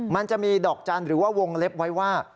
มันจะมีดอกจันทร์หรือว่าวงเล็บไว้ว่า